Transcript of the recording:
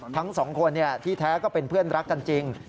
ทั้งสองคนที่แท้ก็เป็นเพื่อนรักกันจริง